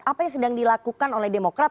apa yang sedang dilakukan oleh demokrat